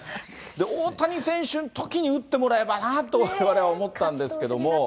大谷選手のときに打ってもらえばなと、われわれは思ったんですけど。